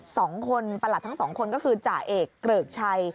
สองคนประหลัดทั้งสองคนก็คือจ่าเอกเกริกชัย